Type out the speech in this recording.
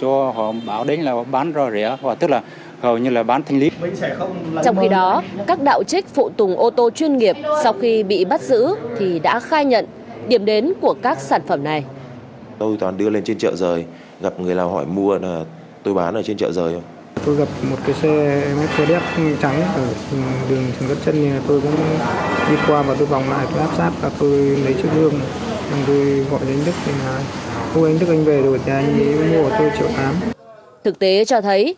của tôi triệu tám thực tế cho thấy